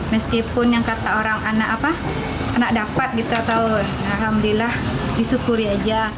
meskipun yang kata orang anak dapat gitu alhamdulillah disyukuri aja